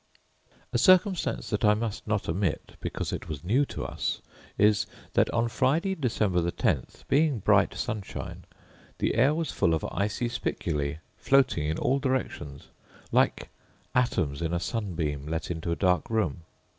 A circumstance that I must not omit, because it was new to us, is, that on Friday, December the 10th, being bright sun shine, the air was full of icy spiculae, floating in all directions, like atoms in a sun beam let into a dark room.